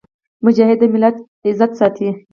مجاهد د ملت عزت ساتي.